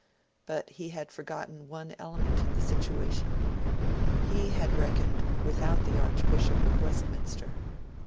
But, he had forgotten one element in the situation; he had reckoned without the Archbishop of Westminster.